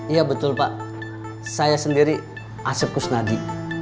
iya betul pak saya sendiri asep kusnadi